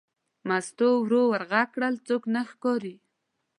مستو ورو ور غږ کړل: څوک نه ښکاري.